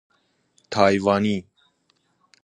تایوانی